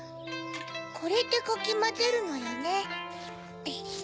これでかきまぜるのよね。